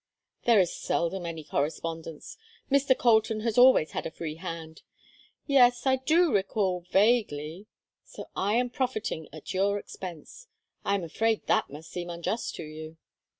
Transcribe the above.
"There is seldom any correspondence. Mr. Colton has always had a free hand yes I do recall vaguely. So I am profiting at your expense. I am afraid that must seem unjust to you."